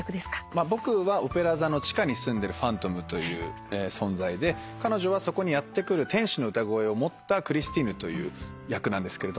僕はオペラ座の地下に住んでるファントムという存在で彼女はそこにやって来る天使の歌声を持ったクリスティーヌという役で。